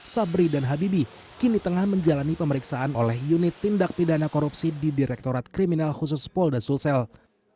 sabri dan habibi kini tengah menjalani pemeriksaan oleh unit tindak pidana korupsi di direktorat kriminal khusus polda sulsel